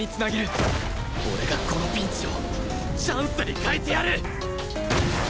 俺がこのピンチをチャンスに変えてやる！